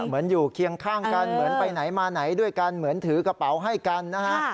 เหมือนอยู่เคียงข้างกันเหมือนไปไหนมาไหนด้วยกันเหมือนถือกระเป๋าให้กันนะฮะ